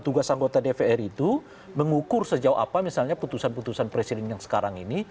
tugas anggota dpr itu mengukur sejauh apa misalnya putusan putusan presiden yang sekarang ini